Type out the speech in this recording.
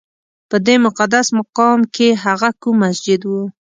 په دې مقدس مقام کې هغه کوم مسجد و؟